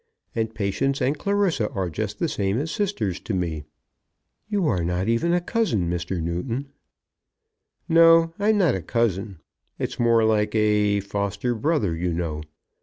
And Patience and Clarissa are just the same as sisters to me." "You are not even a cousin, Mr. Newton." "No; I'm not a cousin. It's more like a foster brother, you know.